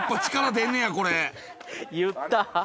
言った。